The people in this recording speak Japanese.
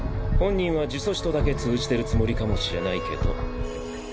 本人は呪詛師とだけ通じてるつもりかもしれないけど。